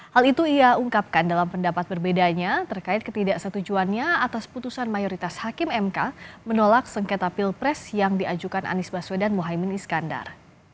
hal itu ia ungkapkan dalam pendapat berbedanya terkait ketidaksetujuannya atas putusan mayoritas hakim mk menolak sengketa pilpres yang diajukan anies baswedan mohaimin iskandar